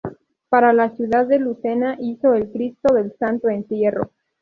Para la ciudad de Lucena hizo el "Cristo del Santo Entierro".